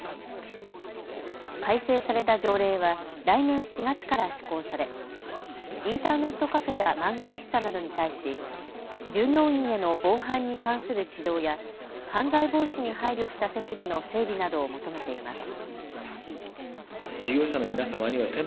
改正された条例は来年４月から施行されインターネットカフェや漫画喫茶などに対し従業員への防犯に関する指導や犯罪防止に配慮した設備の整備などを求めています。